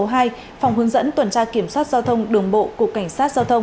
phòng hướng dẫn tuần tra kiểm soát giao thông đường bộ cục cảnh sát giao thông